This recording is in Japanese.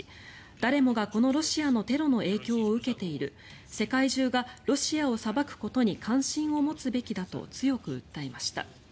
誰もが、このロシアのテロの影響を受けている世界中がロシアを裁くことに関心を持つべきだと強く訴えました。